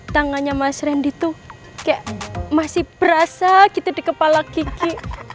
tangannya mas randy tuh kayak masih berasa gitu di kepala gigi